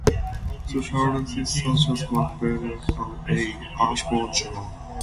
Sociologists such as Mark Benecke and A. Asbjorn Jon.